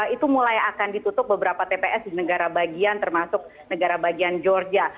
itu mulai akan ditutup beberapa tps di negara bagian termasuk negara bagian georgia